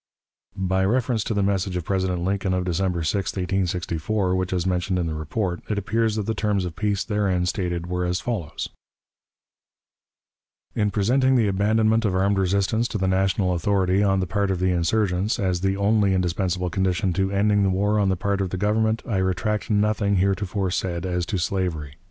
By reference to the message of President Lincoln of December 6, 1864, which is mentioned in the report, it appears that the terms of peace therein stated were as follows: "In presenting the abandonment of armed resistance to the national authority on the part of the insurgents, as the only indispensable condition to ending the war on the part of the Government, I retract nothing heretofore said as to slavery.